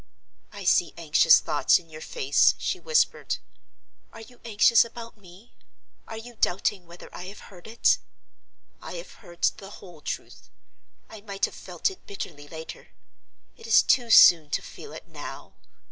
"I see anxious thoughts in your face," she whispered. "Are you anxious about me? Are you doubting whether I have heard it? I have heard the whole truth. I might have felt it bitterly, later; it is too soon to feel it now.